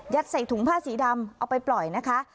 ใส่ถุงผ้าสีดำเอาไปปล่อยนะคะ